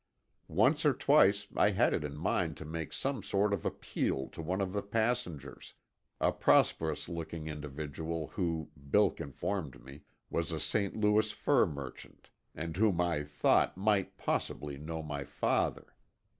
Once or twice I had it in mind to make some sort of appeal to one of the passengers—a prosperous looking individual who, Bilk informed me, was a St. Louis fur merchant, and whom I thought might possibly know my father.